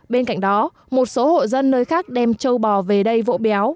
bên cạnh đó một số hộ dân nơi khác đem châu bò về đây vỗ béo